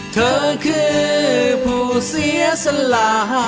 เธอคือผู้เสียสละ